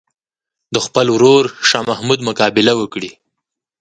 د خپل ورور شاه محمود مقابله وکړي.